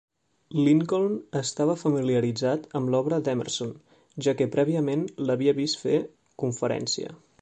Lincoln estava familiaritzat amb l'obra d'Emerson, ja que prèviament l'havia vist fer conferència.